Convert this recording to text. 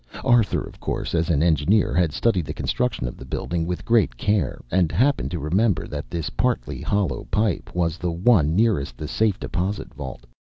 Arthur, of course, as an engineer, had studied the construction of the building with great care, and happened to remember that this partly hollow pile was the one nearest the safe deposit vault.